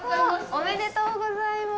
おめでとうございます。